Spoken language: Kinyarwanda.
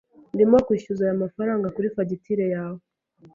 Ndimo kwishyuza aya mafaranga kuri fagitire yawe.